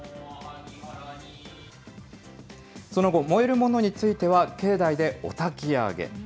その後、燃える物については境内でおたき上げ。